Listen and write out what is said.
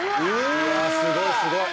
うわあすごいすごい。